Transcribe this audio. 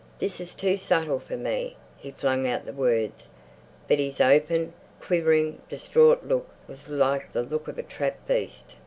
"This is too subtle for me!" He flung out the words, but his open, quivering, distraught look was like the look of a trapped beast.